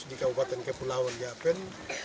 di kabupaten kepulauan yapen